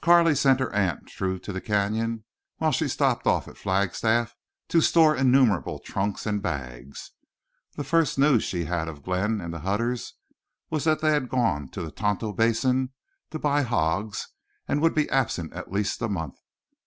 Carley sent her aunt through to the Canyon while she stopped off at Flagstaff to store innumerable trunks and bags. The first news she heard of Glenn and the Hutters was that they had gone to the Tonto Basin to buy hogs and would be absent at least a month.